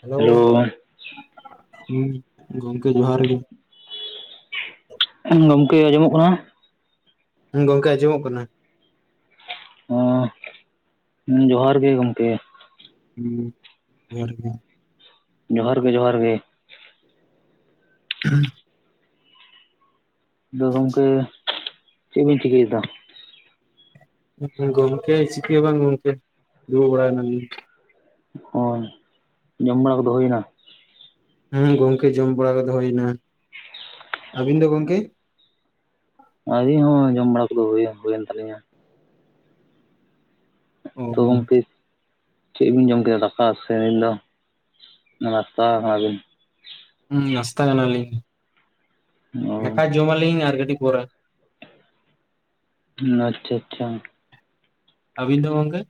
Hello ᱦᱩᱸ ᱜᱚᱝᱠᱮ ᱡᱚᱦᱟᱨ ᱜᱤ ᱜᱚᱢᱠᱮ ᱟᱸᱡᱚᱢᱚᱜ ᱠᱟᱱᱟ? ᱜᱚᱝᱠᱮ ᱟᱸᱡᱚᱢᱚᱜ ᱠᱟᱱᱟ ᱾ ᱦᱮᱸ ᱡᱚᱦᱟᱨ ᱜᱮ ᱜᱚᱝᱠᱮ ᱦᱩᱸ ᱡᱚᱦᱟᱨ ᱜᱮ ᱡᱚᱦᱟᱨ ᱜᱮ ᱡᱚᱦᱟᱨ ᱜᱮ ᱦᱩᱸ ᱟᱫᱚ ᱜᱚᱝᱠᱮ ᱪᱮᱫ ᱵᱮᱤᱱ ᱪᱤᱠᱟᱹᱭᱮᱫᱟ? ᱜᱚᱝᱠᱮ ᱪᱤᱠᱟᱹ ᱵᱟᱝ ᱜᱚᱝᱠᱮ ᱫᱩᱲᱩᱵ ᱵᱟᱲᱟᱭ ᱱᱟᱞᱤᱧ ᱦᱳᱭ ᱡᱚᱢ ᱵᱟᱲᱟ ᱠᱚ ᱫᱚ ᱦᱩᱭᱮᱱᱟ? ᱦᱮᱸ ᱜᱚᱢᱠᱮ ᱡᱚᱢ ᱵᱟᱲᱟ ᱠᱚᱫᱚ ᱦᱩᱭᱱᱟ ᱟᱵᱤᱱ ᱫᱚ ᱜᱚᱢᱠᱮ ᱟᱹᱞᱤᱧ ᱦᱚᱸ ᱡᱚᱢ ᱵᱟᱲᱟ ᱠᱚᱫᱚ ᱦᱩᱭ ᱦᱩᱭᱮᱱ ᱛᱟᱞᱤᱧᱟ ᱚ ᱛᱚ ᱦᱩᱸ ᱜᱚᱝᱠᱮ ᱪᱮᱫ ᱵᱤᱱ ᱡᱚᱢ ᱠᱮᱫᱟ ᱫᱟᱠᱟ ᱥᱮ ᱱᱤᱛ ᱫᱚ ᱱᱟᱥᱛᱟ ᱠᱟᱱᱟᱵᱤᱱ ᱦᱩᱸ ᱱᱟᱥᱛᱟ ᱠᱟᱱᱟᱞᱤᱧ ᱚ ᱫᱟᱠᱟ ᱡᱚᱢᱟᱞᱤᱧ ᱟᱨ ᱠᱟᱹᱴᱤᱡ ᱯᱚᱨᱮ ᱦᱩᱸ ᱟᱪᱪᱷᱟ ᱟᱪᱪᱷᱟ ᱟᱹᱵᱤᱱ ᱫᱚ ᱜᱚᱝᱠᱮ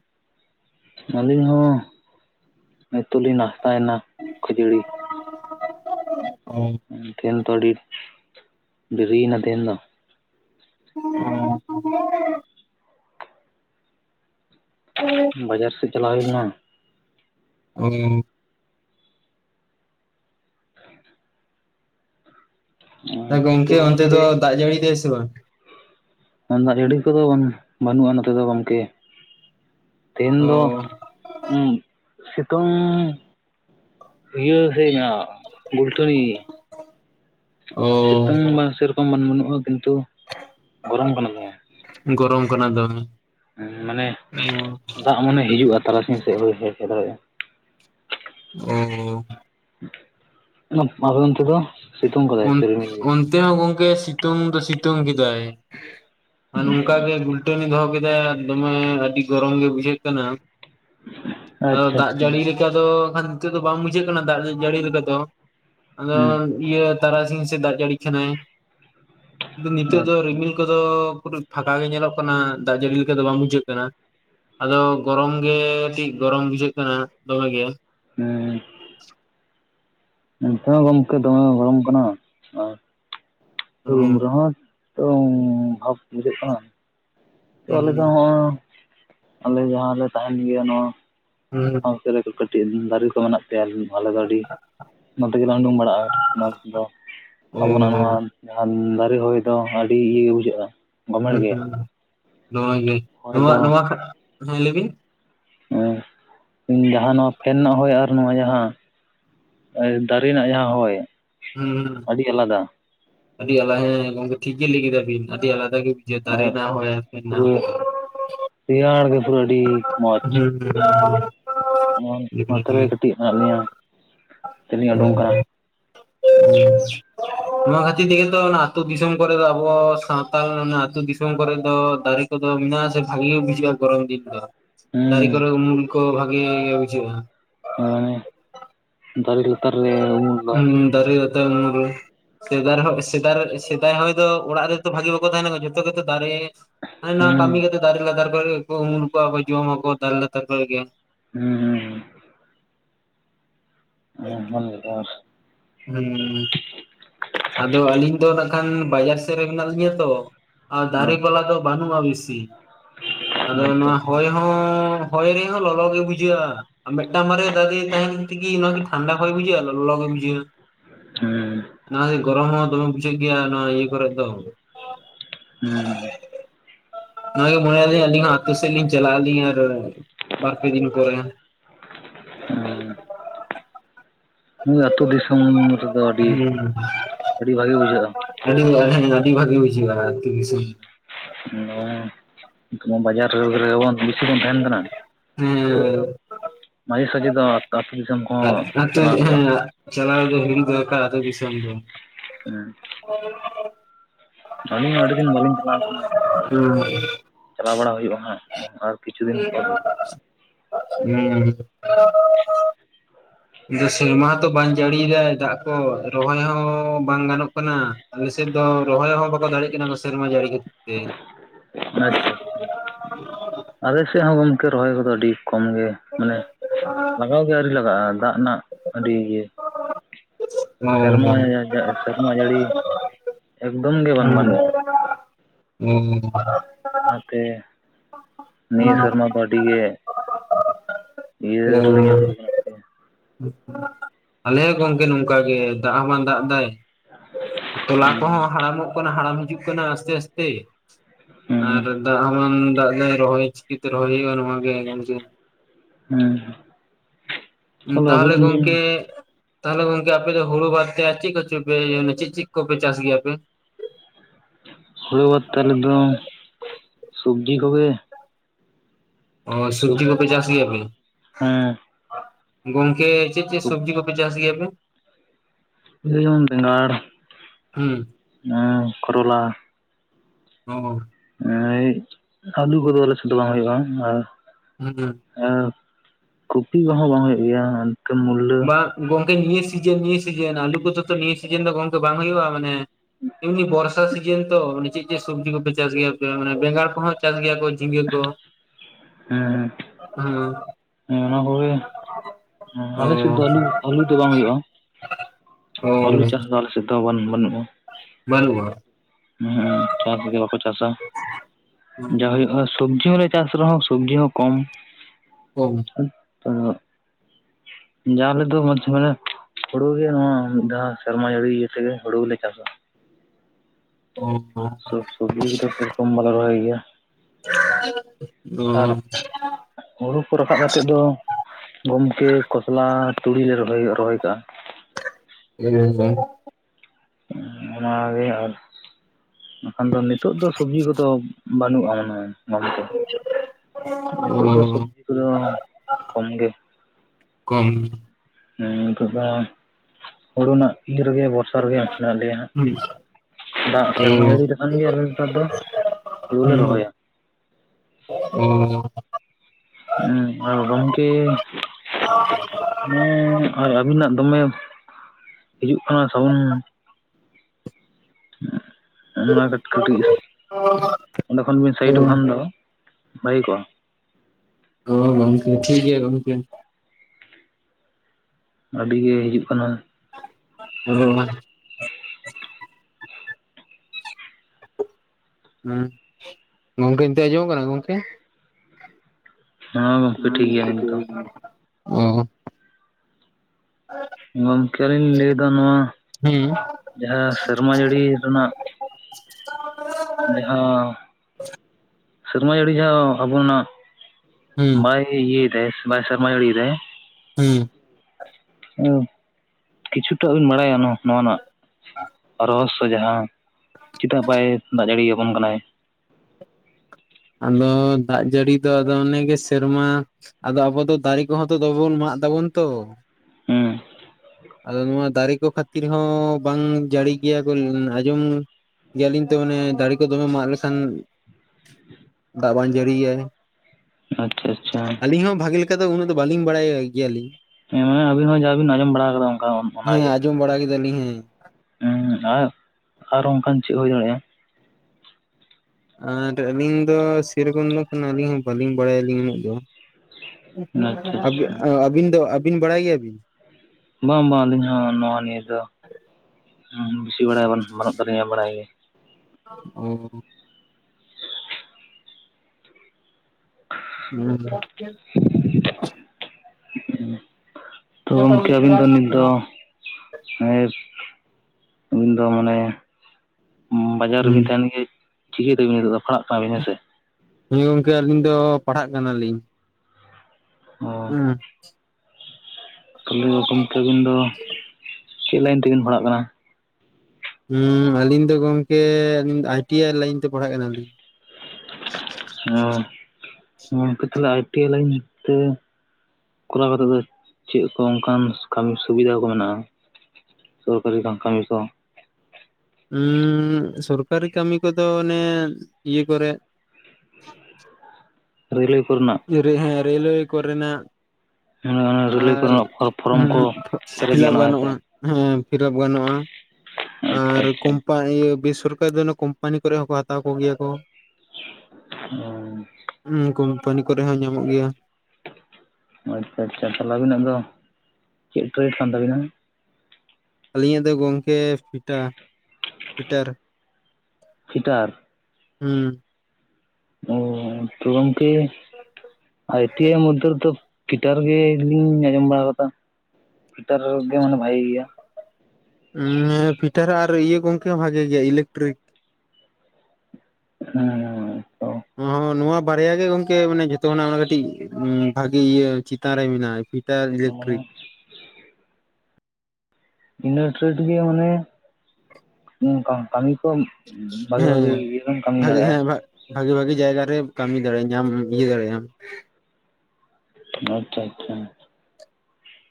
ᱟᱹᱞᱤᱧ ᱦᱚᱸ ᱱᱤᱛᱚᱜ ᱞᱤᱧ ᱱᱟᱥᱛᱟᱭᱮᱱᱟ ᱠᱷᱟᱹᱡᱟᱹᱲᱤ ᱳ ᱛᱮᱦᱮᱱ ᱫᱚ ᱟᱰᱤ ᱫᱮᱨᱤᱭᱮᱱᱟ ᱛᱮᱦᱮᱱ ᱫᱚ ᱚᱸ ᱵᱟᱡᱟᱨ ᱥᱮᱫ ᱪᱟᱞᱟᱣ ᱦᱩᱭ ᱞᱮᱱᱟ [inaudible] ᱛᱚ ᱜᱚᱝᱠᱮ ᱚᱱᱛᱮ ᱜᱚᱢᱠᱮ ᱫᱚ ᱫᱟᱜ ᱡᱟᱹᱲᱤ ᱫᱟᱭ ᱥᱮ ᱵᱟᱝ ᱫᱟᱜ ᱡᱟᱹᱲᱤ ᱠᱚᱫᱚ ᱵᱟᱹᱱᱩᱜᱼᱟ ᱱᱚᱛᱮ ᱫᱚ ᱜᱚᱝᱠᱮ ᱛᱮᱦᱮᱧ ᱚ ᱫᱚ ᱦᱩᱸ ᱥᱤᱛᱩᱝ ᱤᱭᱟᱹ ᱦᱮᱡᱱᱟ ᱜᱩᱞᱴᱷᱟᱹᱲᱤ ᱳ ᱥᱤᱛᱩᱝ ᱵᱟᱝ ᱥᱮᱨᱚᱠᱚᱢ ᱵᱟᱝ ᱵᱟᱹᱱᱩᱜᱼᱟ ᱠᱤᱱᱛᱩ ᱜᱚᱨᱚᱢ ᱠᱟᱱᱟ ᱫᱚᱢᱮ ᱜᱚᱨᱚᱢ ᱠᱟᱱᱟ ᱫᱚᱢᱮ ᱢᱟᱱᱮ ᱫᱟᱜ ᱢᱟᱱᱮ ᱦᱤᱡᱩᱜᱼᱟ ᱛᱟᱨᱟᱥᱤᱧ ᱥᱮᱫ ᱦᱚᱸᱭ ᱦᱮᱡ ᱫᱟᱲᱮᱭᱟᱜᱼᱟ ᱳ [unintelligible] ᱟᱯᱮ ᱚᱱᱛᱮ ᱫᱚ ᱥᱤᱛᱩᱝ ᱠᱟᱫᱟᱭ ᱚᱱ ᱥᱮ ᱨᱤᱢᱤᱞ ᱜᱮ ᱚᱱᱛᱮ ᱦᱚᱸ ᱜᱚᱝᱠᱮ ᱥᱤᱛᱩᱝ ᱫᱚ ᱥᱤᱛᱩᱝ ᱠᱮᱫᱟᱭ᱾ ᱟᱨ ᱱᱚᱝᱠᱟ ᱜᱮ ᱜᱞᱴᱟᱹᱱᱤ ᱫᱚᱦᱚ ᱠᱮᱫᱟ ᱫᱚᱢᱮ ᱟᱹᱰᱤ ᱜᱚᱨᱚᱢ ᱜᱮ ᱵᱩᱡᱷᱟᱹᱜ ᱠᱟᱱᱟ᱾ ᱟᱫᱚ ᱟᱪᱪᱷᱟ ᱫᱟᱜ ᱟᱪᱪᱷᱟ ᱡᱟᱹᱲᱤ ᱞᱮᱠᱟ ᱫᱚ ᱠᱷᱟᱱ ᱱᱤᱛᱚᱜ ᱫᱚ ᱵᱟᱝ ᱵᱩᱡᱷᱟᱹᱜ ᱠᱟᱱᱟ ᱫᱟᱜ ᱡᱟᱹᱲᱤ ᱞᱮᱠᱟ ᱫᱚ, ᱟᱫᱚ ᱦᱮᱸ ᱤᱭᱟᱹ ᱛᱟᱨᱟ ᱥᱤᱧ ᱥᱮᱫ ᱫᱟᱜ ᱡᱟᱲᱤ ᱠᱷᱟᱱᱮᱭ, ᱟᱫᱚ ᱱᱤᱛᱳᱜ ᱫᱚ ᱟᱪᱪᱷᱟ ᱨᱤᱢᱤᱞ ᱠᱚ ᱫᱚ ᱯᱩᱨᱟᱹ ᱯᱷᱟᱠᱟ ᱜᱮ ᱧᱮᱞᱚᱜ ᱠᱟᱱᱟ ᱫᱟᱜ ᱡᱟᱹᱲᱤ ᱞᱮᱠᱟ ᱫᱚ ᱵᱟᱝ ᱵᱩᱡᱷᱟᱹᱜ ᱠᱟᱱᱟ᱾ ᱟᱫᱚ ᱜᱚᱨᱚᱢ ᱜᱮ ᱴᱤᱡ ᱜᱚᱨᱚᱢ ᱵᱩᱡᱷᱟᱹᱜ ᱠᱟᱱᱟ ᱫᱚᱢᱮ ᱜᱮ᱾ ᱦᱩᱸ ᱱᱚᱛᱮ ᱦᱚᱸ ᱜᱚᱢᱠᱮ ᱫᱚᱢᱮ ᱜᱚᱨᱚᱢ ᱠᱟᱱᱟ ᱟᱨ ᱨᱩᱢ ᱨᱮᱦᱚᱸ ᱛᱚ ᱵᱷᱟᱯ ᱵᱩᱡᱷᱟᱹᱜ ᱠᱟᱱᱟ᱾ ᱛᱚ ᱟᱞᱮ ᱫᱚ ᱦᱚᱸᱜ-ᱚ ᱟᱞᱮ ᱡᱟᱦᱟᱸ ᱞᱮ ᱛᱟᱦᱮᱱ ᱜᱮᱭᱟ ᱱᱚᱣᱟ ᱦᱩᱸ ᱪᱮᱞᱮ ᱠᱚ ᱠᱟᱹᱴᱤᱡ ᱫᱟᱨᱮ ᱠᱚ ᱢᱮᱱᱟᱜ ᱛᱮᱞ ᱟᱞᱮ ᱫᱚ ᱟᱹᱰᱤ ᱚᱱᱟ ᱛᱮᱜᱮᱞᱮ ᱩᱰᱩᱝ ᱵᱟᱲᱟᱜᱼᱟ [unintelligible] ᱚᱱᱟ ᱫᱚ ᱟᱵᱚᱱᱟᱜ ᱚᱱᱟ ᱦᱚᱸ ᱡᱟᱦᱟᱸ ᱫᱟᱨᱮ ᱦᱚᱭ ᱫᱚ ᱟᱹᱰᱤ ᱤᱭᱟᱹ ᱜᱮ ᱵᱩᱡᱷᱟᱹᱜᱼᱟ ᱜᱚᱢᱮᱲ ᱦᱩᱸ ᱜᱮ ᱦᱩᱸ ᱱᱚᱣᱟ ᱜᱮ ᱦᱚᱭ ᱱᱚᱣᱟ ᱫᱚ ᱱᱚᱣᱟ ᱠᱷᱟ ᱦᱮᱸ ᱞᱟᱹᱭ ᱵᱤᱱ ᱦᱮᱸ, ᱡᱟᱦᱟᱸ ᱱᱚᱣᱟ ᱯᱷᱮᱱ ᱨᱮᱱᱟᱜ ᱦᱳᱭ ᱟᱨ ᱱᱚᱣᱟ ᱡᱟᱦᱟᱸ ᱫᱟᱨᱮ ᱨᱮᱱᱟᱜ ᱡᱟᱦᱟᱸ ᱦᱚᱭ ᱦᱩᱸᱻ ᱟᱹᱰᱤ ᱟᱞᱟᱫᱟ ᱟᱹᱰᱤ ᱟᱞᱟᱫᱟ ᱦᱮᱸ ᱜᱚᱝᱠᱮ ᱴᱷᱤᱠ ᱜᱮ ᱞᱟᱹᱭ ᱠᱮᱫᱟ ᱵᱤᱱ ᱟᱹᱰᱤ ᱟᱞᱟᱫᱟ ᱜᱮ ᱵᱩᱡᱷᱟᱹᱜᱼᱟ ᱫᱟᱨᱮ ᱟᱨ ᱨᱮᱱᱟᱜ ᱦᱚᱭ ᱟᱨ ᱯᱷᱮᱱ ᱨᱮᱱᱟᱜ ᱯᱩᱨᱟᱹ ᱦᱚᱭ᱾ ᱨᱮᱭᱟᱲ ᱜᱮ ᱯᱩᱨᱟᱹ ᱟᱹᱰᱤ [unintelligible] ᱚ ᱱᱚᱛᱮᱨᱮ ᱠᱟᱹᱴᱤᱡ ᱢᱮᱱᱟᱜ ᱞᱤᱧᱟᱹ ᱛᱮᱞᱤᱧ ᱳᱸᱰᱳᱝ ᱠᱟᱱᱟ᱾ [unintelligible] ᱱᱚᱣᱟ ᱠᱷᱟᱹᱛᱤᱨ ᱛᱮᱜᱮ ᱛᱚ ᱚᱱᱟ ᱟᱹᱛᱩ ᱫᱤᱥᱚᱢ ᱠᱚᱨᱮ ᱫᱚ ᱟᱵᱚ ᱥᱟᱶᱛᱟᱞ ᱚᱱᱟ ᱟᱹᱛᱩ ᱫᱤᱥᱚᱢ ᱠᱚᱨᱮ ᱫᱚ ᱫᱟᱨᱮ ᱡᱚᱫᱚ ᱢᱮᱱᱟᱜ-ᱟ ᱥᱮ ᱵᱷᱟᱹᱜᱤ ᱵᱩᱡᱷᱟᱹᱜ-ᱟ ᱜᱚᱨᱚᱢ ᱫᱤᱱ ᱫᱚ᱾ ᱫᱟᱨᱮ ᱦᱮᱸ ᱠᱚᱨᱮ ᱩᱢᱩᱞ ᱠᱚ ᱵᱷᱟᱹᱜᱮ ᱜᱮ ᱵᱩᱡᱷᱟᱹᱜᱼᱟ᱾ ᱦᱳᱭ ᱫᱟᱨᱮ ᱞᱟᱛᱟᱨ ᱨᱮ ᱩᱢᱩᱞ ᱫᱚ ᱦᱮᱸᱥᱮ? ᱦᱩᱸ [unintelligible] ᱥᱮᱫᱟᱭ ᱨᱮᱦᱚᱸ ᱥᱮᱫᱟᱭ ᱨᱮᱱ ᱥᱮᱫᱟᱭ ᱦᱚᱲ ᱫᱚ ᱚᱲᱟᱜ ᱨᱮᱛᱚ ᱵᱷᱟᱹᱜᱤ ᱵᱟᱠᱚ ᱛᱟᱦᱮᱱᱟ ᱡᱷᱚᱛᱚ ᱜᱮᱛᱚ ᱫᱟᱨᱮ ᱦᱟᱱᱟ ᱱᱚᱣᱟ ᱠᱟᱹᱢᱤ ᱦᱮᱸ ᱠᱟᱛᱮᱜ ᱫᱟᱨᱮ ᱞᱟᱛᱟᱨ ᱠᱚᱨᱮ ᱜᱮᱠᱚ ᱩᱢᱩᱞ ᱠᱚᱜᱼᱟ ᱠᱚ ᱡᱚᱢᱟ ᱠᱚ ᱫᱟᱨᱮ ᱞᱟᱛᱟᱨ ᱠᱚᱨᱮ ᱜᱮ ᱦᱩᱸᱻ ᱦᱮᱸ [unintelligible] ᱦᱩᱸ ᱟᱫᱚ ᱟᱹᱞᱤᱧ ᱫᱚ ᱱᱟᱜ ᱠᱷᱟᱱ ᱵᱟᱡᱟᱨ ᱥᱮᱫ ᱨᱮ ᱢᱮᱱᱟᱜ ᱞᱤᱧᱟᱹ ᱛᱚ᱾ ᱟᱨ ᱫᱟᱨᱮ ᱦᱮᱸ ᱯᱟᱞᱟ ᱫᱚ ᱵᱟᱹᱱᱩᱜᱼᱟ ᱵᱤᱥᱤ ᱟᱫᱚ ᱟᱪᱪᱷᱟ ᱱᱚᱣᱟ ᱟᱪᱪᱷᱟ ᱦᱚᱭ ᱦᱚ ᱦᱚᱭ ᱨᱮᱦᱚ ᱞᱚᱞᱚ ᱜᱮ ᱵᱩᱡᱷᱟᱹᱜᱼᱟ᱾ ᱟᱨ ᱢᱮᱫᱴᱟᱝ ᱵᱟᱨᱭᱟ ᱫᱟᱨᱮ ᱛᱟᱦᱮᱱ ᱛᱮᱜᱮ ᱱᱚᱶᱴᱣᱟ ᱠᱤ ᱴᱷᱟᱱᱰᱟ ᱦᱚᱭ ᱵᱩᱡᱷᱟᱹᱜ-ᱟ ᱞᱚᱞᱚ ᱜᱮ ᱵᱩᱡᱷᱟᱹᱜ-ᱟ᱾ ᱦᱩᱸ ᱚᱱᱟ ᱜᱮ ᱜᱚᱨᱚᱢ ᱦᱚᱸ ᱫᱚᱢᱮ ᱵᱩᱡᱷᱟᱹᱜ ᱜᱮᱭᱟ ᱱᱚᱣᱟ ᱤᱭᱟᱹ ᱠᱚᱨᱮ ᱫᱚ ᱦᱩᱸ ᱚᱱᱟᱜᱮ ᱵᱚᱭᱦᱟ ᱡᱮ ᱟᱹᱞᱤᱧ ᱦᱚᱸ ᱟᱯᱮ ᱥᱮᱫ ᱞᱤᱧ ᱪᱟᱞᱟᱜ ᱟᱹᱞᱤᱧ ᱟᱨ ᱵᱟᱨ-ᱯᱮ ᱫᱤᱱ ᱯᱚᱨᱮ᱾ [inaudible] ᱱᱤᱭᱟᱹ ᱟᱹᱛᱩ ᱫᱤᱥᱚᱢ ᱨᱮᱫᱚ ᱟᱹᱰᱤ ᱦᱩᱸ ᱟᱹᱰᱤ ᱵᱷᱟᱜᱮ ᱵᱩᱡᱷᱟᱹᱜᱼᱟ ᱟᱹᱰᱤ ᱟᱹᱰᱤ ᱟᱹᱰᱤ ᱵᱷᱟᱹᱜᱤ ᱵᱩᱡᱷᱟᱹ-ᱟ ᱟᱨᱠᱤ ᱦᱮᱸᱥᱮ ᱚ ᱱᱤᱛ ᱢᱟ ᱵᱟᱡᱟᱨ ᱨᱮ ᱨᱮᱜᱮᱵᱚᱱ ᱵᱤᱥᱤ ᱵᱚᱱ ᱛᱟᱸᱦᱮᱱ ᱠᱟᱱᱟ᱾ ᱱᱤᱛᱚᱜ ᱫᱚ ᱦᱮᱸ ᱢᱟᱡᱷᱮ ᱥᱟᱸᱡᱷᱮ ᱫᱚ ᱟᱹᱛᱩ ᱫᱤᱥᱚᱢ ᱠᱚᱦᱚᱸ ᱟᱹᱛᱩ ᱪᱟᱞᱟᱣ ᱦᱩᱭᱩᱜᱼᱟ᱾ ᱦᱮᱸ ᱪᱟᱞᱟᱣ ᱜᱮ ᱦᱩᱭ ᱫᱚᱨᱠᱟᱨ ᱟᱹᱛᱩ ᱫᱤᱥᱚᱢ ᱫᱚ᱾ ᱦᱩᱸ ᱾ [inaudible] ᱟᱹᱞᱤᱧ ᱦᱚᱸ ᱟᱹᱰᱤ ᱫᱤᱱ ᱵᱟᱹᱞᱤᱧ ᱪᱟᱞᱟᱣ ᱠᱟᱱᱟ ᱦᱩᱸ ᱪᱟᱞᱟᱣ ᱵᱟᱲᱟ ᱦᱩᱭᱩᱜᱼᱟ ᱦᱟᱸᱜ ᱟᱨ ᱠᱤᱪᱷᱩ ᱫᱤᱱ ᱯᱚᱨ ᱾ [inaudible] ᱦᱩᱸ ᱾ ᱟᱨ ᱥᱮᱸᱨᱢᱟ ᱦᱚᱸᱛᱚ ᱵᱟᱝ ᱡᱟᱹᱲᱤᱭᱮᱫᱟᱭ ᱫᱟᱜ ᱠᱚ ᱨᱚᱦᱚᱭ ᱦᱚᱸᱻ ᱵᱟᱝ ᱜᱟᱱᱚᱜ ᱠᱟᱱᱟ ᱟᱞᱮᱥᱮᱫ ᱫᱚ ᱨᱚᱦᱚᱭ ᱦᱚᱸ ᱵᱟᱠᱚ ᱫᱟᱲᱮᱜ ᱠᱟᱱᱟ ᱥᱮᱨᱢᱟ ᱡᱟᱹᱲᱤ ᱠᱷᱟᱹᱛᱤᱨ ᱛᱮ ᱾ ᱟᱪᱪᱷᱟ ᱟᱪᱪᱷᱟ, ᱟᱞᱮ ᱥᱮᱫ ᱦᱚᱸ ᱜᱚᱝᱠᱮ ᱨᱚᱦᱚᱭ ᱠᱚᱫᱚ ᱟᱹᱰᱤ ᱠᱚᱢ ᱜᱮ ᱾ ᱢᱟᱱᱮ ᱞᱟᱜᱟᱣ ᱜᱮ ᱟᱹᱣᱨᱤ ᱞᱟᱜᱟᱜᱼᱟ ᱫᱟᱜ ᱨᱮᱱᱟᱜ ᱟᱹᱰᱤ ᱤᱭᱟᱹ ᱚ ᱾ ᱥᱮᱸᱨᱢᱟ [unintelligible] ᱥᱮᱸᱨᱢᱟ ᱡᱟᱹᱲᱤ ᱮᱠᱫᱚᱢ ᱜᱮ ᱵᱟᱝ ᱵᱟᱹᱱᱩᱜᱼᱟ ᱾ [inaudible] ᱚ [inaudible] ᱚᱱᱟᱛᱮ ᱱᱤᱭᱟᱹ ᱥᱮᱨᱢᱟ ᱫᱚ ᱟᱹᱰᱤ ᱜᱮ ᱦᱩᱸ ᱤᱭᱟᱹ ᱨᱮᱞᱮ ᱧᱩᱨᱩᱣ ᱠᱟᱱᱟ ᱥᱮ ᱟᱞᱮ ᱦᱚᱸ ᱜᱚᱝᱠᱮ ᱱᱚᱝᱠᱟ ᱜᱮ ᱫᱟᱜ ᱦᱚᱸ ᱵᱟᱝ ᱫᱟᱜ ᱫᱟᱭ ᱾ [inaudible] ᱛᱚᱞᱟ ᱠᱚᱦᱚᱸ ᱦᱟᱲᱟᱢᱚᱜ ᱠᱟᱱᱟ ᱦᱟᱲᱟᱢ ᱦᱤᱡᱩᱜ ᱠᱟᱱᱟ ᱟᱥᱛᱮ ᱟᱥᱛᱮ ᱾ ᱟᱨ ᱦᱩᱸ ᱦᱩᱸ ᱫᱟᱜ ᱦᱚᱸ ᱵᱟᱝ ᱫᱟᱜ ᱫᱟᱭ ᱨᱚᱦᱚᱭ ᱪᱤᱠᱟᱹᱛᱮ ᱨᱚᱦᱚᱭ ᱦᱩᱭᱩᱜᱼᱟ ᱱᱚᱣᱟᱜ ᱜᱮ ᱵᱟᱝ [unintelligible] ᱾ ᱦᱩᱸ ᱾ ᱛᱟᱦᱟᱞᱮ ᱜᱚᱝᱠᱮᱻ ᱛᱟᱦᱟᱞᱮ ᱜᱚᱝᱠᱮ ᱟᱯᱮ ᱫᱚ ᱦᱳᱸᱲᱳ ᱵᱟᱫᱛᱮ ᱪᱮᱫ ᱠᱚᱪᱚ ᱯᱮ ᱪᱮᱫ ᱪᱮᱫ ᱠᱚᱯᱮ ᱪᱟᱥ ᱜᱮᱭᱟ ᱟᱯᱮ? ᱦᱳᱲᱳ ᱵᱟᱫ ᱛᱮ ᱟᱞᱮ ᱫᱚ ᱥᱚᱵᱡᱤ ᱠᱚᱜᱮ ᱾ ᱚ ᱥᱚᱵᱡᱤ ᱠᱚᱯᱮ ᱪᱟᱥ ᱜᱮᱭᱟᱯᱮ ᱦᱮᱸ ᱾ ᱜᱚᱢᱠᱮ ᱪᱮᱫ ᱪᱮᱫ ᱥᱚᱵᱡᱤ ᱥᱚᱵᱽᱡᱤ ᱠᱚᱯᱮ ᱪᱟᱥ ᱜᱮᱭᱟᱯᱮ? ᱡᱮᱢᱚᱱ ᱵᱮᱸᱜᱟᱲ, ᱦᱩᱸ ᱩᱸ ᱠᱚᱨᱚᱞᱟ ᱾ [unintelligible] ᱟᱹᱭ ᱟᱹᱞᱩ ᱠᱚᱫᱚ ᱟᱞᱮ ᱥᱮᱫ ᱫᱚ ᱵᱟᱝ ᱦᱩᱭᱩᱜᱼᱟ, ᱟᱨ [unintelligible] ᱟᱨ ᱠᱚᱯᱤ ᱠᱚᱦᱚᱸ ᱵᱟᱝ ᱦᱩᱭᱩᱜ ᱜᱮᱭᱟ ᱾ ᱵᱟᱝ ᱜᱚᱝᱠᱮ ᱱᱤᱭᱟᱹ ᱥᱤᱡᱮᱱ ᱱᱤᱭᱟᱹ ᱥᱤᱡᱮᱱ ᱟᱞᱩ ᱠᱚᱫᱚ ᱛᱚ ᱱᱤᱭᱟᱹ ᱥᱤᱡᱮᱱ ᱫᱚ ᱜᱚᱝᱠᱮ ᱵᱟᱝ ᱦᱩᱭᱩᱜᱼᱟ ᱢᱟᱱᱮ ᱮᱢᱱᱤ ᱵᱚᱨᱥᱟ ᱥᱤᱡᱤᱱ ᱛᱚ ᱢᱟᱱᱮ ᱪᱮᱫ ᱪᱮᱫ ᱥᱚᱵᱽᱡᱤ ᱠᱚᱯᱮ ᱪᱟᱥ ᱜᱮᱭᱟᱯᱮ ᱢᱟᱱᱮ ᱵᱮᱸᱜᱟᱲ ᱠᱚᱦᱚᱸ ᱪᱟᱥ ᱜᱮᱭᱟ ᱠᱚ ᱡᱷᱤᱸᱜᱟᱹ ᱠᱚ, ᱦᱮᱸ ᱦᱩᱸ ᱦᱮᱸ ᱚᱱᱟ ᱠᱚᱜᱮ ᱾ ᱦᱮᱸ ᱚ ᱟᱞᱮᱥᱮᱫ ᱫᱚ ᱟᱞᱩ, ᱟᱞᱩ ᱫᱚ ᱵᱟᱝ ᱦᱩᱭᱩᱜᱼᱟ ᱚ ᱟᱹᱞᱩ ᱪᱟᱥ ᱫᱚ ᱥᱮᱫ ᱫᱚ ᱵᱟᱱ ᱵᱟᱹᱱᱩᱜᱼᱟ ᱾ ᱵᱟᱹᱱᱩᱜᱼᱟ ᱾ ᱦᱮᱸ ᱪᱟᱥ ᱜᱮ ᱵᱟᱠᱚ ᱪᱟᱥᱟ ᱡᱟ ᱦᱩᱭᱩᱜᱼᱟ ᱥᱚᱵᱡᱤ ᱦᱚᱸᱞᱮ ᱪᱟᱥ ᱨᱮᱦᱚᱸ ᱥᱚᱵᱡᱤ ᱦᱚᱸ ᱠᱚᱢ ᱾ ᱠᱚᱢ ᱾ [unintelligible] ᱟᱫᱚ ᱡᱟ ᱟᱞᱮ ᱫᱚ [unintelligible] ᱢᱟᱱᱮ ᱦᱩᱲᱩ ᱜᱮ ᱱᱚᱣᱟ ᱢᱤᱫ ᱫᱷᱟᱣ ᱥᱮᱨᱢᱟ ᱡᱟᱹᱲᱤ ᱤᱭᱟᱹ ᱛᱮᱜᱮ ᱦᱩᱲᱩ ᱜᱮᱞᱮ ᱪᱟᱥᱟ ᱾ [unintelligible] ᱥᱚᱵ ᱥᱚᱵᱡᱤ ᱠᱚᱫᱚ ᱥᱮ ᱨᱚᱠᱚᱢ ᱵᱟᱞᱮ ᱨᱚᱦᱚᱭ ᱜᱮᱭᱟ ᱾ [inaudible] ᱚ ᱾ ᱦᱩᱲᱩ ᱠᱚ ᱨᱟᱠᱟᱵ ᱠᱟᱛᱮᱫ ᱫᱚ ᱜᱚᱢᱠᱮ ᱠᱷᱚᱥᱞᱟ ᱛᱩᱲᱤ ᱞᱮ ᱨᱚᱦᱚᱭ ᱨᱚᱦᱚᱭ ᱠᱟᱜᱼᱟ ᱾ [unintelligible] ᱚᱱᱟᱜᱮ ᱟᱨ ᱵᱟᱠᱷᱟᱱ ᱫᱚ ᱱᱤᱛᱚᱜ ᱫᱚ ᱥᱚᱵᱡᱤ ᱠᱚᱫᱚ ᱵᱟᱹᱱᱩᱜᱼᱟ ᱢᱚᱱᱮ ᱦᱚᱭ ᱾ ᱜᱚᱢᱠᱮ, ᱱᱤᱛᱚᱜ ᱫᱚ ᱥᱚᱵᱡᱤ ᱠᱚᱫᱚ ᱠᱚᱢ ᱜᱮ ᱾ ᱠᱚᱢ ᱦᱮᱸ ᱱᱤᱛᱚᱜ ᱫᱚ ᱦᱩᱲᱩ ᱨᱮᱱᱟᱜ ᱤᱨ ᱨᱮᱜᱮ ᱵᱚᱨᱥᱟ ᱨᱮᱜᱮ ᱢᱮᱱᱟᱜ ᱞᱮᱭᱟ ᱦᱟᱸᱜ ᱫᱟᱜᱽ ᱥᱮᱨᱢᱟ ᱡᱟᱹᱲᱤ ᱞᱮᱠᱷᱟᱱ ᱜᱮ ᱟᱞᱮ ᱱᱮᱛᱟᱨ ᱫᱚ ᱦᱩᱲᱩᱞᱮ ᱨᱚᱦᱚᱭᱟ᱾ [unintelligible] ᱦᱮᱸ ᱟᱨ ᱜᱚᱝᱠᱮ ᱦᱮᱸ ᱟᱨ ᱟᱹᱵᱤᱱᱟᱜ ᱫᱚᱢᱮ ᱦᱤᱡᱩᱜ ᱠᱟᱱᱟ ᱥᱟᱣᱩᱱ ᱚᱱᱟ ᱠᱟᱹᱴ ᱠᱟᱹᱴᱤᱡᱽ ᱚᱸᱰᱮ ᱠᱷᱚᱱ ᱵᱤᱱ ᱥᱟᱭᱤᱴᱚᱜ ᱠᱷᱟᱱ ᱫᱚ ᱵᱷᱟᱹᱜᱤᱠᱟᱜ-ᱟ ᱚ ᱜᱚᱝᱠᱮ ᱴᱷᱤᱠ ᱜᱮᱭᱟ ᱜᱚᱝᱠᱮ ᱟᱹᱰᱤ ᱜᱮ ᱦᱤᱡᱩᱜ ᱠᱟᱱᱟ᱾ ᱟᱫᱚ ᱚᱱᱟ ᱦᱩᱸ ᱜᱚᱝᱠᱮ ᱱᱤᱛᱳᱜ ᱟᱡᱚᱢᱚᱜ ᱠᱟᱱᱟ ᱜᱚᱝᱠᱮ ᱦᱮᱸ ᱜᱚᱢᱠᱮ ᱴᱷᱤᱠ ᱜᱮᱭᱟ ᱱᱤᱛ ᱫᱚ [unintelligible] ᱜᱚᱝᱠᱮ ᱞᱤᱧ ᱞᱟᱹᱭ ᱮᱫᱟ ᱱᱚᱣᱟ ᱦᱩᱸ ᱡᱟᱦᱟᱸ ᱥᱮᱨᱢᱟ ᱡᱟᱹᱲᱤ ᱨᱮᱱᱟᱜ ᱡᱟᱦᱟᱸ ᱥᱮᱨᱢᱟ ᱡᱟᱲᱤ ᱡᱟᱦᱟᱸ ᱟᱵᱚᱱᱟᱜ ᱦᱩᱸ ᱵᱟᱭ ᱤᱭᱟᱹᱭᱮ ᱫᱟᱭ ᱥᱮ ᱵᱟᱭ ᱥᱮᱨᱢᱟ ᱡᱟᱲᱤ ᱭᱮᱫᱟᱭ ᱦᱩᱸ ᱚ ᱠᱤᱪᱷᱩᱴᱟ ᱵᱮᱱ ᱵᱟᱲᱟᱭᱟ ᱱᱚᱣᱟ ᱨᱮᱱᱟᱜ ᱨᱚᱦᱚᱥᱥᱚ ᱡᱟᱦᱟᱸ ᱪᱮᱫᱟᱜ ᱵᱟᱭ ᱫᱟᱜᱽ ᱡᱟᱹᱲᱤ ᱭᱟᱵᱚᱱ ᱠᱟᱱᱟᱭ᱾ ᱟᱫᱚ ᱫᱟᱜᱽ ᱡᱟᱹᱲᱤ ᱫᱚ ᱟᱫᱚ ᱚᱱᱮᱜᱮ ᱥᱮᱨᱢᱟ ᱟᱫᱚ ᱟᱵᱚ ᱫᱚ ᱫᱟᱨᱮ ᱠᱚᱦᱚᱸ ᱛᱚ ᱵᱚᱱ ᱢᱟᱜᱽ ᱫᱟᱵᱚᱱ ᱛᱚ ᱦᱩᱸ ᱟᱫᱚ ᱱᱚᱣᱟ ᱫᱟᱨᱮ ᱠᱚ ᱠᱷᱟᱛᱤᱨ ᱠᱷᱟᱛᱤᱨ ᱦᱚᱸᱵᱟᱝ ᱡᱟᱹᱲᱤ ᱜᱮᱭᱟ ᱠᱚ ᱟᱸᱡᱚᱢ ᱜᱮᱭᱟᱞᱤᱧ ᱛᱚ ᱢᱟᱱᱮ ᱫᱟᱨᱮ ᱠᱚ ᱫᱚᱢᱮᱢ ᱢᱟᱜ ᱞᱮᱠᱷᱟᱱ ᱫᱟᱜᱽ ᱵᱟᱝ ᱡᱟᱹᱲᱤ ᱜᱮᱭᱟᱭ ᱟᱪᱪᱷᱟ ᱟᱪᱪᱷᱟ ᱟᱹᱞᱤᱧ ᱦᱚᱸ ᱵᱷᱟᱜᱮ ᱞᱮᱠᱟ ᱫᱚ ᱩᱱᱟᱹᱜ ᱫᱚ ᱵᱟᱹᱞᱤᱧ ᱵᱟᱲᱟᱭ ᱜᱮᱭᱟᱞᱤᱧ ᱦᱮᱸ ᱢᱟᱱᱮ ᱟᱵᱤᱱ ᱦᱚᱸ ᱡᱟ ᱵᱤᱱ ᱟᱸᱡᱚᱢ ᱵᱟᱲᱟ ᱟᱠᱟᱫᱟ ᱚᱱᱠᱟ ᱚᱱᱟᱜᱮ ᱡᱚᱢ ᱵᱟᱲᱟ ᱠᱮᱫᱟ ᱞᱤᱧ ᱦᱮᱸ ᱟᱨ ᱟᱚᱱᱠᱟᱱ ᱪᱮᱫ ᱦᱩᱭ ᱫᱟᱲᱮᱭᱟᱜᱼᱟ᱾ ᱟᱨ ᱟᱹᱞᱤᱧ ᱫᱚ ᱥᱮᱨᱚᱠᱚᱢ ᱫᱚ ᱟᱹᱞᱤᱧ ᱦᱚᱸ ᱵᱟᱹᱞᱤᱧ ᱵᱟᱲᱟᱭᱟᱞᱤᱧ ᱩᱱᱟᱹᱜ ᱫᱚ ᱟᱪᱪᱷᱟ ᱟᱪᱪᱷᱟ ᱟᱹᱵᱤᱱ ᱫᱚ ᱟᱹᱵᱤᱱ ᱵᱟᱲᱟᱭ ᱜᱮᱭᱟᱵᱤᱱ ᱵᱟᱝ ᱵᱟᱝ ᱟᱹᱞᱤᱧ ᱦᱚᱸ ᱱᱚᱣᱟ ᱱᱤᱭᱟᱹ ᱫᱚ ᱵᱤᱥᱤ ᱵᱟᱲᱟᱭ ᱵᱟᱹᱱᱩᱜ ᱛᱟᱹᱞᱤᱧᱟ ᱵᱟᱲᱟᱭ ᱜᱮ ᱚ [unintelligible] ᱛᱚ ᱜᱚᱝᱠᱮ ᱟᱹᱵᱤᱱ ᱫᱚ ᱱᱤᱛ ᱫᱚ ᱦᱮ ᱩᱱ ᱫᱚ ᱢᱟᱱᱮ ᱵᱟᱡᱟᱨ ᱨᱮᱵᱤᱱ ᱛᱟᱦᱮᱱ ᱜᱮ ᱪᱤᱠᱟᱹᱛᱮᱹᱵᱤᱱ ᱱᱤᱛᱚᱜ ᱯᱟᱲᱦᱟᱜ ᱠᱟᱱᱟᱵᱤᱱ ᱦᱮᱸᱥᱮ ᱦᱮᱸ ᱜᱚᱝᱠᱮ ᱟᱹᱞᱤᱧ ᱫᱚ ᱯᱟᱲᱦᱟᱜ ᱠᱟᱱᱟᱞᱤᱧ ᱚ ᱛᱟᱦᱮ ᱜᱚᱝᱠᱮ ᱟᱹᱵᱤᱱ ᱫᱚ ᱪᱮᱫ ᱞᱟᱭᱤᱱ ᱛᱮᱵᱤᱱ ᱯᱟᱲᱦᱟᱜ ᱠᱟᱱᱟ᱾ ᱦᱮᱸ ᱟᱞᱤᱧ ᱫᱚ ᱜᱚᱝᱠᱮ ᱟᱭ ᱴᱤ ᱟᱭ ᱞᱟᱭᱤᱱ ᱛᱮ ᱯᱟᱲᱦᱟᱜ ᱠᱟᱱᱟᱞᱤᱧ᱾ ᱚ ᱛᱟᱦᱞᱮ ᱟᱭ ᱴᱤ ᱟᱭ ᱞᱟᱭᱤᱱ ᱛᱮ ᱠᱚᱨᱟᱣ ᱠᱟᱛᱮ ᱫᱚ ᱪᱮᱫ ᱠᱚ ᱚᱱᱠᱟᱱ ᱠᱟᱹᱢᱤ ᱥᱩᱵᱤᱫᱟ ᱠᱚ ᱢᱮᱱᱟᱜᱼᱟ᱾ ᱥᱚᱨᱠᱟᱨᱤ ᱠᱟᱱ ᱠᱟᱹᱢᱤ ᱠᱚ ᱥᱚᱨᱠᱟᱨᱤ ᱠᱟᱹᱢᱤ ᱠᱚᱫᱚ ᱚᱱᱮ ᱤᱭᱟᱹ ᱠᱚᱨᱮ ᱨᱮᱞᱮ ᱠᱚᱨᱮᱱᱟᱸᱜ ᱦᱮᱸ ᱨᱮᱞᱣᱮᱭ ᱠᱚᱨᱮᱱᱟᱜ ᱨᱤᱞᱟᱹᱭ ᱟᱨ ᱠᱚᱨᱮᱱᱟᱜ ᱯᱷᱚᱨᱚᱢ ᱠᱚ [unintelligible] ᱯᱮᱨᱮᱡ ᱯᱷᱤᱞᱟᱯ ᱦᱮᱸ ᱥᱮ ᱜᱟᱱᱚᱜᱼᱟ ᱦᱩᱸ ᱯᱤᱨᱟᱹᱠ ᱵᱟᱱᱩᱜᱼᱟ ᱟᱪᱪᱷᱟ ᱟᱨ ᱟᱪᱪᱷᱟ ᱠᱩᱢᱯᱟ ᱤᱭᱟᱹ ᱵᱤᱥ ᱨᱩᱯᱤ ᱫᱚ ᱱᱩᱝ ᱠᱩᱢ ᱯᱟᱱᱤ ᱠᱚᱨᱮ ᱦᱚᱸᱠᱚ ᱦᱟᱛᱟᱣ ᱠᱚᱜᱮᱭᱟ ᱠᱚ ᱩᱸᱦᱩᱸ ᱦᱩᱸ ᱠᱩᱢᱯᱟᱱᱤ ᱠᱚᱨᱮ ᱦᱚᱸ ᱧᱟᱢᱚᱜ ᱜᱮᱭᱟ ᱳ ᱟᱪᱪᱷᱟ ᱟᱪᱪᱷᱟ ᱛᱟᱦᱞᱮ ᱟᱹᱵᱤᱱᱟᱜ ᱫᱚ ᱪᱮᱫ ᱴᱨᱮᱴ ᱠᱟᱱ ᱛᱟᱵᱤᱱᱟ ᱟᱹᱞᱤᱧᱟᱜ ᱫᱚ ᱜᱚᱠᱮ ᱯᱤᱴᱟ ᱯᱤᱴᱟᱨ ᱯᱷᱤᱴᱟᱨ ᱦᱩᱸ ᱚ ᱛᱚ ᱜᱚᱝᱠᱮ ᱟᱭ ᱴᱤ ᱟᱭ ᱢᱚᱫᱽᱫᱷᱮ ᱨᱮᱫᱚ ᱯᱷᱤᱴᱟᱨ ᱜᱮ ᱧᱩᱧ ᱟᱸᱡᱚᱢ ᱵᱟᱲᱟ ᱠᱟᱣᱫᱟ ᱯᱷᱴᱟᱨ ᱜᱮ ᱢᱟᱱᱮ ᱵᱷᱟᱹᱜᱤ ᱜᱮᱭᱟ ᱦᱩᱸ ᱯᱷᱤᱴᱟᱨ ᱟᱨ ᱤᱭᱟᱹ ᱜᱚᱝᱠᱮ ᱦᱚᱸ ᱵᱷᱟᱜᱤ ᱜᱮ ᱤᱭᱟᱹ ᱤᱞᱮᱠᱴᱨᱤᱠ ᱦᱮᱸ ᱛᱚ ᱚ ᱱᱚᱶᱟ ᱵᱟᱨᱭᱟ ᱜᱮ ᱜᱚᱝᱠᱮ ᱢᱟᱱᱮ ᱡᱷᱚᱛᱚ ᱠᱷᱚᱱᱟᱜ ᱚᱱᱟ ᱠᱟᱹᱴᱤᱡ ᱵᱷᱟᱜᱤ ᱤᱭᱟᱹ ᱪᱮᱛᱟᱱ ᱨᱮ ᱢᱮᱱᱟᱜᱼᱟ ᱴᱟᱨ ᱢᱟᱱᱮ ᱤᱞᱮᱠᱴᱨᱤᱠ ᱤᱱᱟᱹᱰᱮᱨᱮᱴ ᱜᱮ ᱢᱟᱱᱮ ᱱᱚᱝᱠᱟᱝ ᱠᱟᱹᱢᱤ ᱛᱚᱢ ᱵᱷᱟᱜᱤ ᱵᱷᱟᱜᱤ ᱤᱭᱟᱹ ᱨᱮᱢ ᱠᱟᱹᱢᱤ ᱫᱟᱲᱮᱭᱟᱜᱼᱟ ᱵᱷᱟᱹᱜᱤ ᱵᱷᱟᱹᱜᱤ ᱡᱟᱭᱜᱟ ᱨᱮ ᱠᱟᱹᱢᱤ ᱫᱟᱲᱮᱭᱟᱜ ᱧᱟᱢ ᱤᱭᱟᱹ ᱫᱟᱲᱮᱭᱟᱜ ᱟᱢ ᱟᱪᱪᱷᱟ ᱟᱪᱪᱷᱟ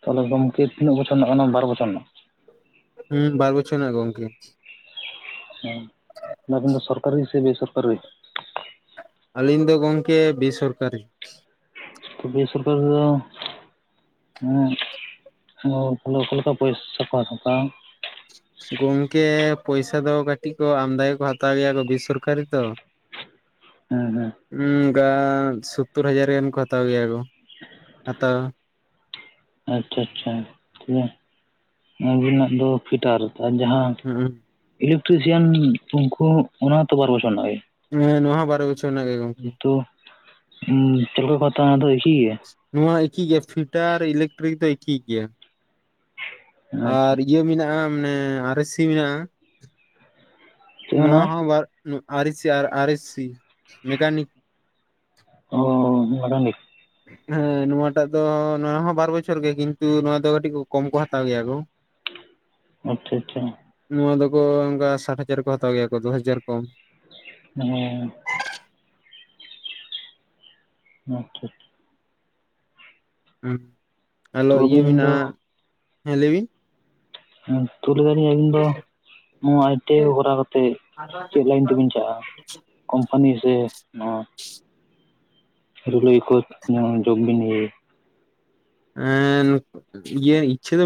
ᱛᱟᱦᱚᱞᱮ ᱜᱚᱝᱠᱮ ᱛᱤᱱᱟᱹᱜ ᱵᱚᱪᱷᱚᱨ ᱨᱮᱱᱟᱜ ᱠᱟᱱᱟ ᱵᱟᱨ ᱵᱚᱪᱷᱚᱨ ᱨᱮᱱᱟᱜ ᱦᱩᱸ ᱵᱟᱨ ᱵᱚᱪᱷᱚᱨ ᱨᱮᱱᱟ ᱜ ᱜᱚᱝᱠᱮ ᱦᱮᱸ ᱚᱱᱟᱠᱤᱱ ᱫᱚ ᱥᱚᱨᱠᱟᱨᱤ ᱥᱮ ᱵᱮᱥᱚᱨᱠᱟᱨᱤ ᱟᱹᱞᱤᱧ ᱫᱚ ᱜᱚᱢᱠᱮ ᱵᱮᱥᱚᱨᱠᱟᱨᱤ ᱛᱚ ᱵᱮᱥᱚᱨᱠᱟᱨᱤ ᱛᱮ ᱫᱚ ᱦᱚᱸ ᱚ ᱚᱠᱟᱞᱮᱠᱟ ᱯᱚᱭᱥᱟ ᱠᱚ ᱦᱟᱛᱟᱣᱟ ᱜᱚᱢᱠᱮ ᱯᱚᱭᱥᱟ ᱫᱚ ᱠᱟᱹᱴᱤᱡ ᱠᱚ ᱟᱢᱫᱟ ᱜᱮᱠᱚ ᱦᱟᱛᱟᱣ ᱜᱮᱭᱟ ᱠᱚ ᱵᱮᱥᱚᱨᱠᱟᱨᱤ ᱛᱚ ᱦᱮᱸ ᱦᱮᱸ ᱦᱩᱸᱚᱱᱠᱟ ᱥᱳᱛᱛᱚᱨ ᱦᱟᱡᱟᱨ ᱜᱟᱱ ᱠᱚ ᱦᱟᱛᱟᱣ ᱜᱮᱭᱟ ᱠᱚ ᱦᱟᱛᱟᱣ ᱟᱪᱪᱷᱟ ᱟᱪᱪᱷᱟ ᱴᱷᱤᱠᱭᱟ ᱟᱹᱵᱤᱱᱟᱜ ᱫᱚ ᱯᱷᱤᱴᱟᱞ ᱟᱨ ᱡᱟᱦᱟᱸ ᱦᱩᱸᱦᱩᱜ ᱤᱞᱮᱠᱴᱨᱤᱥᱤᱭᱟᱱ ᱩᱱᱠᱩ ᱚᱱᱟ ᱦᱚ ᱛᱚ ᱵᱟᱨ ᱵᱚᱪᱷᱚᱨ ᱨᱮᱱᱟᱜ ᱜᱮ ᱦᱮᱸ ᱱᱚᱣᱟ ᱦᱚᱸ ᱵᱟᱨᱚ ᱵᱚᱪᱷᱚᱨ ᱱᱟᱜ ᱜᱮ ᱜᱚᱝᱠᱮ ᱦᱸ ᱛᱳᱲᱳ ᱯᱟᱛᱟ ᱫᱚ ᱮᱠᱤ ᱜᱮᱭᱟ ᱱᱚᱣᱟ ᱮᱠᱤ ᱜᱮᱭᱟ ᱯᱷᱤᱴᱟᱨ ᱤᱞᱮᱠᱴᱨᱤᱠ ᱫᱚ ᱮᱠᱤ ᱜᱮᱭᱟ ᱟᱪᱪᱷᱟ ᱟᱨ ᱤᱭᱟᱹ ᱢᱮᱱᱟᱜᱼᱟ ᱢᱟᱱᱮ ᱟᱨ ᱟᱨᱤᱥᱤ ᱢᱮᱱᱟᱜᱼᱟ ᱪᱮᱫ ᱱᱚᱣᱟ ᱢᱮᱱᱟᱜᱼᱟ ᱦᱚᱸ ᱵᱟᱨ ᱟᱨᱮᱥᱤ ᱟᱨᱮᱥᱤ ᱥᱤ ᱢᱮᱠᱟᱱᱤᱠ ᱚ ᱢᱟᱰᱟᱱᱤᱠ ᱦᱮᱸ ᱱᱚᱣᱟᱴᱟᱜ ᱫᱚ ᱱᱚᱣᱟ ᱦᱚᱸ ᱵᱟᱨ ᱵᱚᱪᱷᱚᱨ ᱜᱮ ᱠᱤᱱᱛᱩ ᱱᱚᱣᱟ ᱫᱚ ᱠᱟᱹᱴᱤᱡ ᱠᱚᱢ ᱠᱚ ᱦᱟᱛᱟᱣ ᱜᱮᱭᱟ ᱠᱚ ᱟᱪᱪᱷᱟ ᱟᱪᱪᱷᱟ ᱱᱚᱣᱟ ᱫᱚᱠᱚ ᱚᱱᱠᱟ ᱥᱟᱴ ᱦᱟᱡᱟᱨ ᱠᱚ ᱦᱟᱛᱟᱣ ᱜᱮᱭᱟ ᱠᱚ ᱫᱚᱦᱟᱡᱟᱨ ᱠᱚᱢ ᱱᱮᱜ ᱮ ᱟᱪᱪᱷᱟ ᱦᱩᱸ ᱟᱞᱚ ᱛᱚ ᱤᱭᱟᱹ ᱟᱹᱵᱤᱱ ᱫᱚ ᱢᱮᱱᱟᱜᱼᱟ ᱦᱮᱸ ᱞᱟᱹᱭ ᱵᱤᱱ ᱦᱩᱸ [unintelligible] ᱟᱹᱵᱤᱱ ᱫᱚ ᱱᱚᱣᱟ ᱟᱭᱴᱮ ᱦᱚᱨᱟ ᱠᱟᱛᱮᱜ ᱪᱮᱜ ᱞᱟᱭᱤᱱ ᱛᱮᱵᱤᱱ ᱪᱟᱜᱼᱟ ᱠᱳᱢᱯᱟᱱᱤ ᱥᱮ ᱞᱳᱠᱨᱤ ᱠᱚᱛ ᱡᱚᱢ ᱵᱤᱱ ᱮᱱ ᱤᱭᱟᱹ ᱤᱪᱷᱟᱹ ᱫᱚ